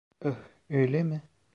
Oh, öyle mi?